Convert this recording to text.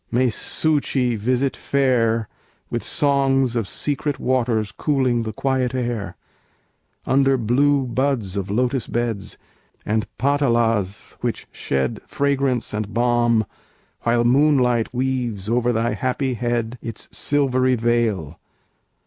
may "Suchi" visit fair With songs of secret waters cooling the quiet air, Under blue buds of lotus beds, and pâtalas which shed Fragrance and balm, while Moonlight weaves over thy happy head Its silvery veil!